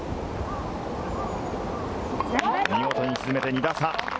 見事に沈めて、２打差。